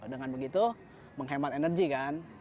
dengan begitu menghemat energi kan